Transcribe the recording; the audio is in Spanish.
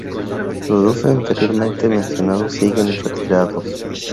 Los dos anteriormente mencionados siguen retirados...